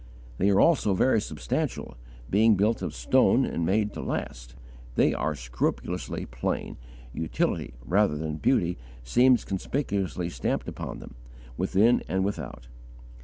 They are also very substantial, being built of stone and made to last. They are scrupulously plain; utility rather than beauty seems conspicuously stamped upon them, within and without.